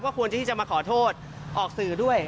ควรที่จะมาขอโทษออกสื่อด้วย